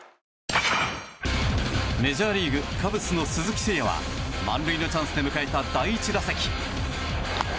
メジャーリーグカブスの鈴木誠也は満塁のチャンスで迎えた第１打席。